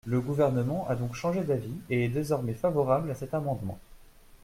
Le Gouvernement a donc changé d’avis et est désormais favorable à cet amendement.